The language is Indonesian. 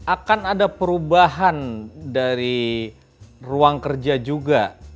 akan ada perubahan dari ruang kerja juga